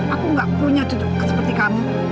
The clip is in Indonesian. aku nggak punya tuduh seperti kamu